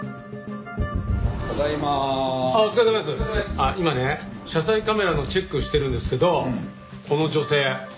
あっ今ね車載カメラのチェックしてるんですけどこの女性。